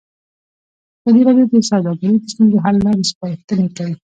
ازادي راډیو د سوداګري د ستونزو حل لارې سپارښتنې کړي.